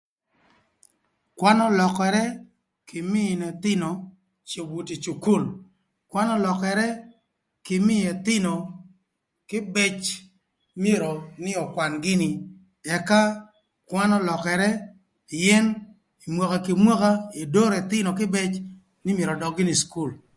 Kwan ölökërë kï mïö ëthïnö cïdhö buto ï cukul, kwan ölökërë kï mïö ëthïnö kïbëc myero nï okwan gïnï ëka kwan ölökërë pïën mwaka kï mwaka edoro ëthïnö kïbëc nï myero ödök gïnï ï cukul.